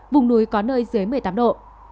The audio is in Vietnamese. vùng núi có nơi dưới một mươi tám độ